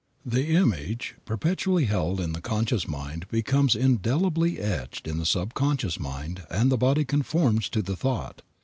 The image perpetually held in the conscious mind becomes indelibly etched in the subconscious mind and the body conforms to the thought.